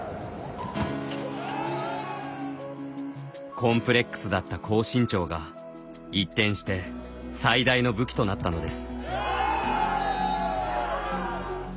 コンプレックスだった高身長が一転して最大の武器となったのです。